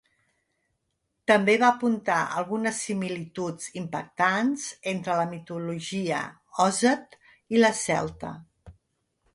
També va apuntar algunes similituds impactants entre la mitologia osset i la celta.